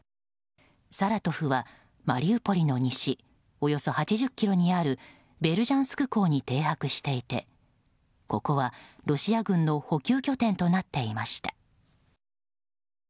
「サラトフ」はマリウポリの西およそ８０ｋｍにあるベルジャンスク港に停泊していてここはロシア軍の補給拠点となっていました。